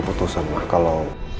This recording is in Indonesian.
aku mau bicara sama mama